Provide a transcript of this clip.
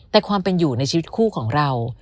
แต่ความเป็นอยู่ในชีวิตคู่ของเรา